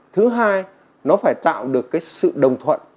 thứ hai nó phải tạo được cái sự đồng thuận